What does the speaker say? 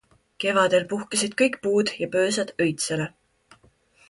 Kevadel puhkesid kõik puud ja põõsad õitsele.